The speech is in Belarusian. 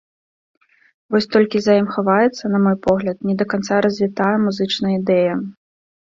Вось толькі за ім хаваецца, на мой погляд, не да канца развітая музычная ідэя.